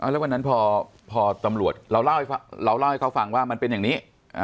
แล้ววันนั้นพอตำรวจเราเล่าให้เขาฟังว่ามันเป็นอย่างนี้